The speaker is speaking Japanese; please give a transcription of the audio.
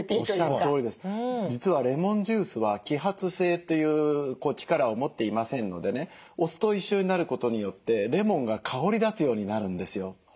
実はレモンジュースは揮発性という力を持っていませんのでねお酢と一緒になることによってレモンが香り立つようになるんですよ。